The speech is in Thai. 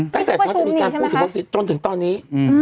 ตั้งแต่วักซีนต้นถึงตอนนี้